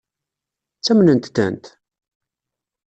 Ttamnent-tent?